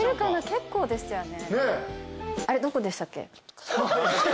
結構ですよね。